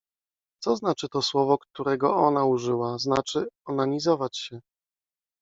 — Co znaczy to słowo, którego ona użyła? — Znaczy: onanizować się.